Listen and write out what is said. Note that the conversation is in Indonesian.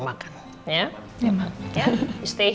harus kita bahas serius